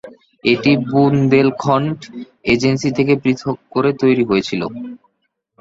এটি বুন্দেলখণ্ড এজেন্সি থেকে পৃথক করে তৈরী হয়েছিল।